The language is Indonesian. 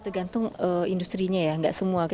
pengamat ekonomi universitas pajajaran dian mbak